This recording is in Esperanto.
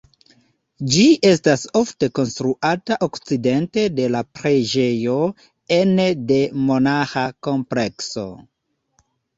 Ĝi estas ofte konstruata okcidente de la preĝejo ene de monaĥa komplekso.